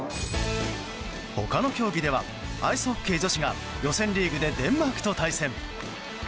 他の競技ではアイスホッケー女子が予選リーグでデンマークと対戦。